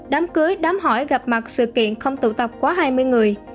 đám cưới đám hỏi gặp mặt sự kiện không tụ tập quá hai mươi người